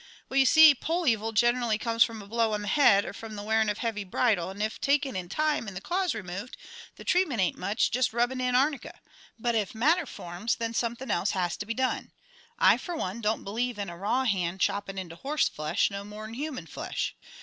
"Well, you see, poll evil generally comes from a blow on the head, or from the wearin' of a heavy bridle, and if taken in time, and the cause removed, the treatment ain't much, just rubbin' in arnica. But if matter forms, then something else has to be done. I, fer one, don't believe in a raw hand choppin' into horseflesh no more'n human flesh.